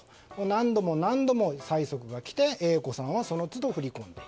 何度も何度も催促が来てＡ子さんは、その都度振り込んだ。